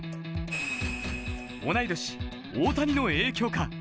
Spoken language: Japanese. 同い年、大谷の影響か。